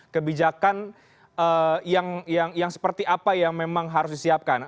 kebijakan yang seperti apa yang memang harus disiapkan